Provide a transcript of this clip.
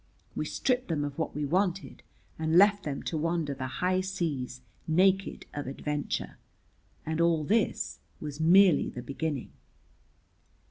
We stripped them of what we wanted and left them to wander the high seas naked of adventure. And all this was merely the beginning.